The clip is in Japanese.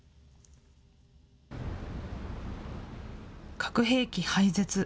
核兵器廃絶。